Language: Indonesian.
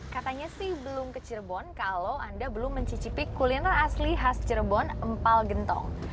katanya sih belum ke cirebon kalau anda belum mencicipi kuliner asli khas cirebon empal gentong